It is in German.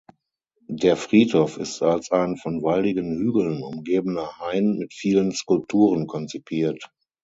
Der Friedhof ist als ein von waldigen Hügeln umgebener Hain mit vielen Skulpturen konzipiert.